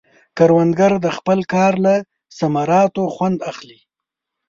کروندګر د خپل کار له ثمراتو خوند اخلي